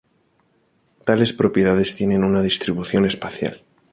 Tales propiedades tienen una distribución espacial.